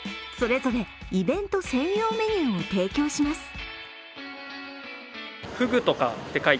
それぞれイベント専用メニューを提供します。